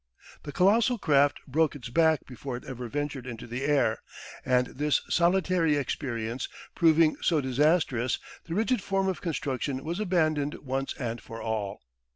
The colossal craft broke its back before it ever ventured into the air, and this solitary experience proving so disastrous, the rigid form of construction was abandoned once and for all.